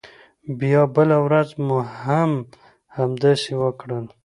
بیا بله ورځ مو هم همداسې وکړل.